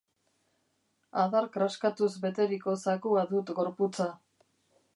Adar kraskatuz beteriko zakua dut gorputza.